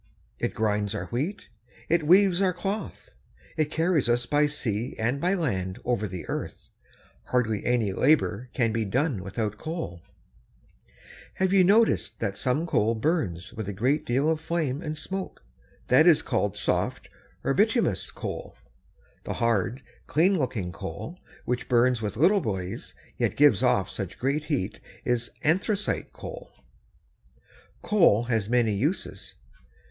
It grinds our wheat, it weaves our cloth, it carries us by sea and by land over the earth. Hardly any labor can be done without coal. [Illustration: OIL WELLS.] You have noticed that some coal burns with a great deal of flame and smoke. That is called soft or bituminous coal. That hard, clean looking coal, which burns with little blaze, yet gives out such great heat, is anthracite coal. Coal has many uses.